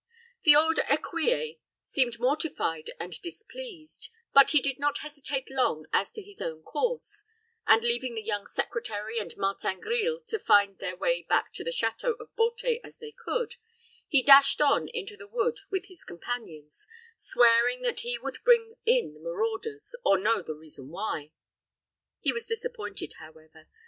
The old écuyer seemed mortified and displeased; but he did not hesitate long as to his own course; and, leaving the young secretary and Martin Grille to find their way back to the château of Beauté as they could, he dashed on into the wood with his companions, swearing that he would bring in the marauders, or know the reason why. He was disappointed, however.